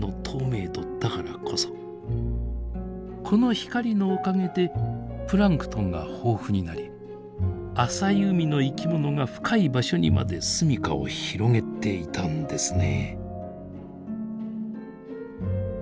この光のおかげでプランクトンが豊富になり浅い海の生き物が深い場所にまで住みかを広げていたんですね。